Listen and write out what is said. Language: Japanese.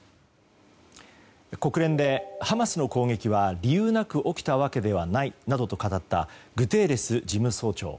国連でハマスの攻撃は理由なく起きたわけではないなどと語ったグテーレス事務総長。